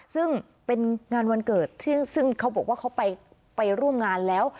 ซึ่งเขาบอกว่าเขาไปร่วมงานแล้ว